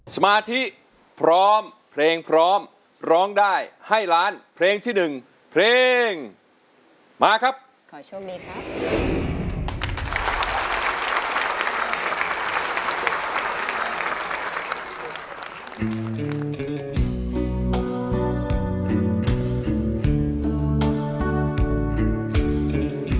สมาธิพร้อมเพลงพร้อมร้องได้ให้ล้านเพลงที่หนึ่งเพลงมาครับขอโชคดีครับ